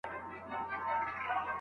شاګرد د مقالې پیلنۍ مسوده ولیکله.